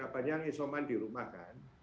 ya ada banyak isoman di rumah kan